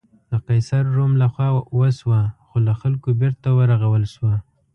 د قیصر روم له خوا وسوه خو له خلکو بېرته ورغول شوه.